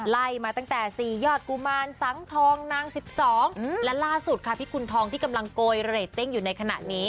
ไล่มาตั้งแต่๔ยอดกุมารสังทองนาง๑๒และล่าสุดค่ะพี่คุณทองที่กำลังโกยเรตติ้งอยู่ในขณะนี้